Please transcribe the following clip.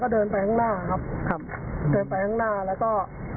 เดินไปข้างหน้าแล้วก็